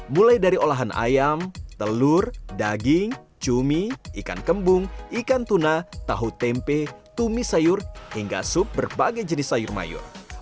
mulai dari olahan ayam telur daging cumi ikan kembung ikan tuna tahu tempe tumis sayur hingga sup berbagai jenis sayur mayur